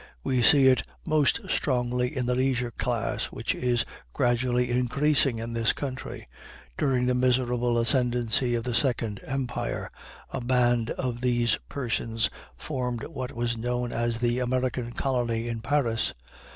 We see it most strongly in the leisure class, which is gradually increasing in this country. During the miserable ascendancy of the Second Empire, a band of these persons formed what was known as the "American colony," in Paris.